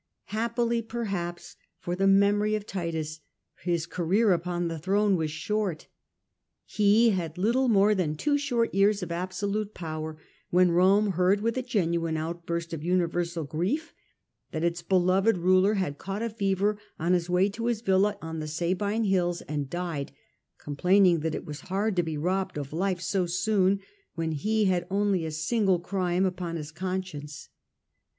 Happily, perhaps, for the memory of Titus, his career upon the throne was short. He had little more than two short years of absolute power, when Rome heard with a genuine outburst of uni univer versal grief that its beloved ruler had caught sally la a fever on his way to his villa on the Sabine when he hills, and died, complaining that it was hard to be robbed of life so soon, when he had only a single crime upon his conscience.